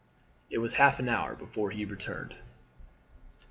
It was half an hour before he returned.